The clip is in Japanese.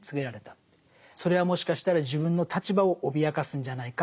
それはもしかしたら自分の立場を脅かすんじゃないか。